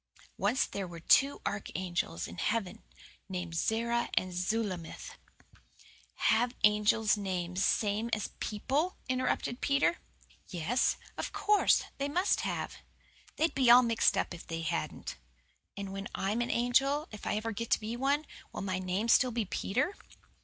Once there were two archangels in heaven, named Zerah and Zulamith " "Have angels names same as people?" interrupted Peter. "Yes, of course. They MUST have. They'd be all mixed up if they hadn't." "And when I'm an angel if I ever get to be one will my name still be Peter?"